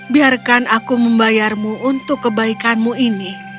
biarkan aku membayarmu untuk kebaikanmu ini